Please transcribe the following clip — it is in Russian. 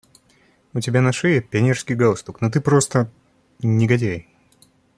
У тебя на шее пионерский галстук, но ты просто… негодяй.